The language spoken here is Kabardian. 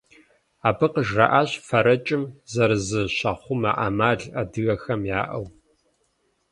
Абы къыжраӏащ фэрэкӏым зэрызыщахъумэ ӏэмал адыгэхэм яӏэу.